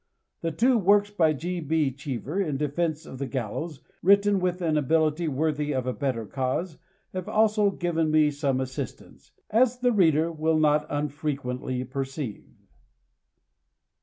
The two works of G. B. Cheever in defense of the gaJlows, written with an ability worthy of a better cause, have also given me some assistance, as the reader will not unfrequently per ceive.